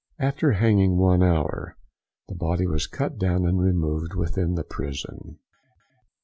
After hanging one hour, the body was cut down and removed within the prison.